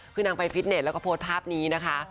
ซึ่งนางไปฟี้ตเนสแล้วก็โพสภาพนี้นะคะ